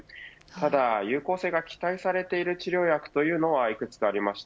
ただ有効性が期待されている治療薬というのはいくつかあります。